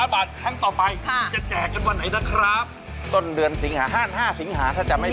ได้ไปแล้วนะครับสำหรับผู้โชคดี